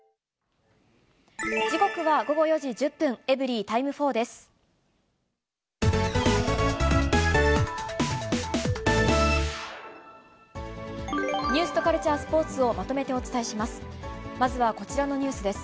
時刻は午後４時１０分、エブリィタイム４です。